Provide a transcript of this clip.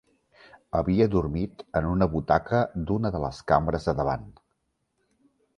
Havia dormit en una butaca d'una de les cambres de davant.